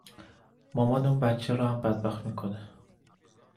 مامانِ اون بچه رو هم بدبخت میکنه